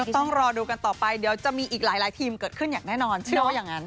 ก็ต้องรอดูกันต่อไปเดี๋ยวจะมีอีกหลายทีมเกิดขึ้นอย่างแน่นอน